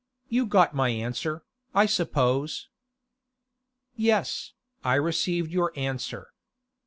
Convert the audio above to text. You got my answer, I suppose.' 'Yes, I received your answer.